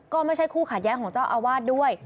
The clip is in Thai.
ก็ไม่ใช่คู่ขัดแย้งของเจ้าอาวาสด้วย